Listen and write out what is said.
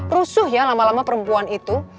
rusuh ya lama lama perempuan itu